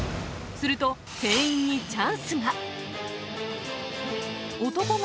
すると、店員にチャンスが。